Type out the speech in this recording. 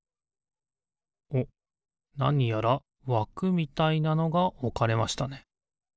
なにやらわくみたいなのがおかれましたね。